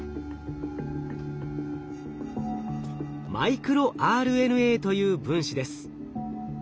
マイクロＲＮＡという分子です。